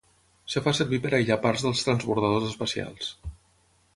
Es fa servir per aïllar parts dels transbordadors espacials.